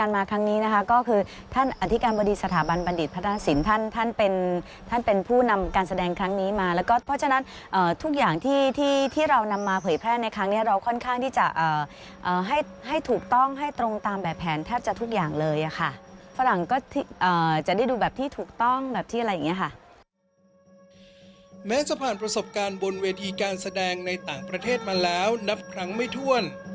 แม้จะผ่านประสบการณ์บนเวทีการแสดงในต่างประเทศมาแล้วนับครั้งไม่ถ้วน